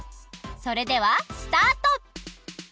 それではスタート！